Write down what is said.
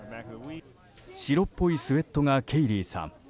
白っぽいスウェットがケイリーさん